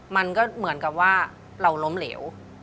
มันก็เหมือนกับว่าเราล้มเหลว